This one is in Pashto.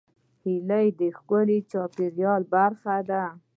هیلۍ د ښکلي چاپېریال برخه ده